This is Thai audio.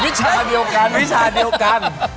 วิชาเดียวกันวิชาเดียวกัน